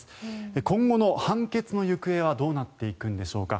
今後の判決の行方はどうなっていくんでしょうか。